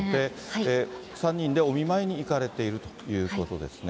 ３人でお見舞いに行かれているということですね。